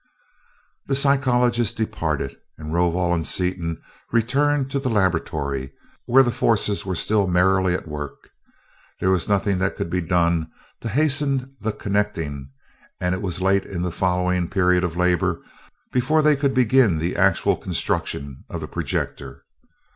The psychologist departed, and Rovol and Seaton returned to the laboratory, where the forces were still merrily at work. There was nothing that could be done to hasten the connecting, and it was late in the following period of labor before they could begin the actual construction of the projector.